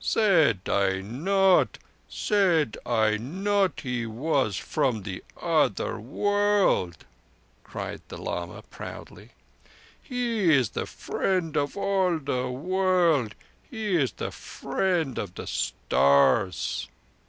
"Said I not—said I not he was from the other world?" cried the lama proudly. "He is the Friend of all the World. He is the Friend of the Stars!"